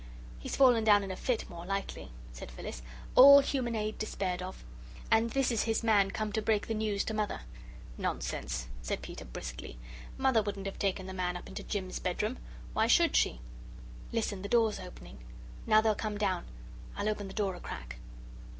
"He's fallen down in a fit, more likely," said Phyllis, "all human aid despaired of. And this is his man come to break the news to Mother." "Nonsense!" said Peter, briskly; "Mother wouldn't have taken the man up into Jim's bedroom. Why should she? Listen the door's opening. Now they'll come down. I'll open the door a crack."